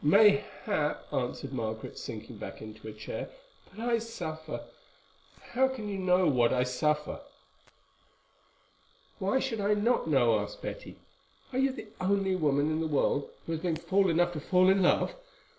"Mayhap," answered Margaret, sinking back into a chair, "but I suffer—how can you know what I suffer?" "Why should I not know?" asked Betty. "Are you the only woman in the world who has been fool enough to fall in love?